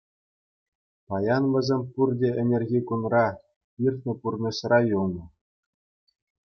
Паян вӗсем пурте ӗнерхи кунра, иртнӗ пурнӑҫра юлнӑ.